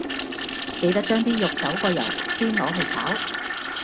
记得将啲肉走过油先攞去炒